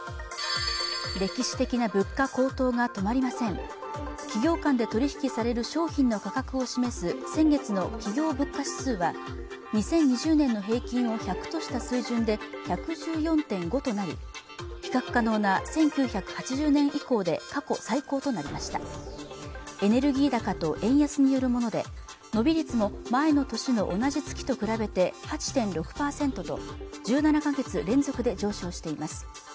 歴史的な物価高騰が止まりません企業間で取引される商品の価格を示す先月の企業物価指数は２０２０年の平均を１００とした水準で１１４．５となり比較可能な１９８０年以降で過去最高となりましたエネルギー高と円安によるもので伸び率も前の年の同じ月と比べて８．６％と１７カ月連続で上昇しています